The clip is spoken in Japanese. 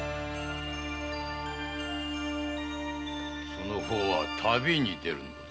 その方は旅に出るのだ。